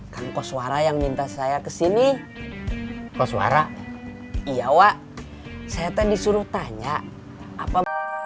kan koswara yang minta saya kesini koswara iya wa saya tadi disuruh tanya apa